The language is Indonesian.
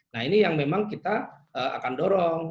nah ini yang memang kita akan dorong